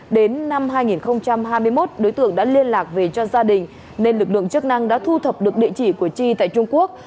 đến năm hai nghìn hai mươi một đối tượng đã liên lạc về cho gia đình nên lực lượng chức năng đã thu thập được địa chỉ của chi tại trung quốc